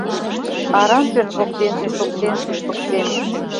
Арам пӧрт воктенже шоктен шӱшпык сем